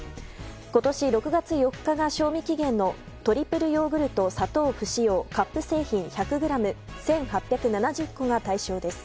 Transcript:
今年６月４日が賞味期限のトリプルヨーグルト砂糖不使用カップ製品１００ｇ１８７０個が対象です。